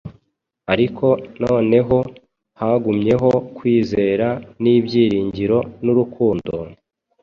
Ariko noneho hagumyeho kwizera n’ibyiringiro n’urukundo,